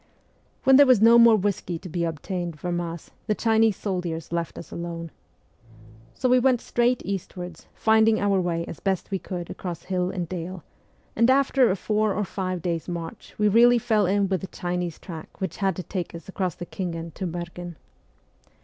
When there was no more whisky to be obtained from us the Chinese soldiers left us alone. So we went straight eastwards, finding our way as best we could across hill and dale, and after a four or five days' inarch we really fell in with the Chinese track which had to take us across the Khingan to Merghen.